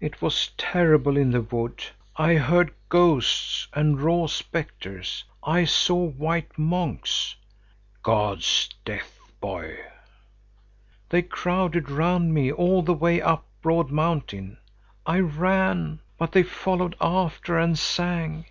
"It was terrible in the wood. I heard ghosts and raw spectres. I saw white monks." "'Sdeath, boy!" "They crowded round me all the way up Broad mountain. I ran, but they followed after and sang.